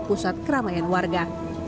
pusat keramaian warga